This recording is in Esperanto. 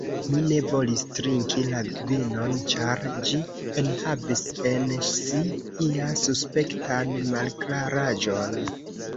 Mi ne volis trinki la vinon, ĉar ĝi enhavis en si ian suspektan malklaraĵon.